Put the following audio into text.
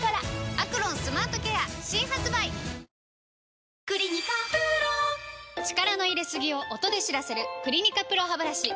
「アクロンスマートケア」新発売！力の入れすぎを音で知らせる「クリニカ ＰＲＯ ハブラシ」